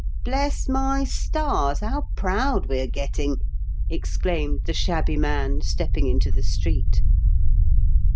"Bless my stars, how proud we are getting I " exclaimed the shabby man, stepping into the street.